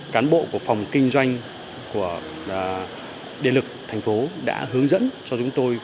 cán bộ của phòng kinh doanh của điện lực thành phố đã hướng dẫn cho chúng tôi